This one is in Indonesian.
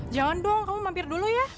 jangan dong kamu mampir dulu ya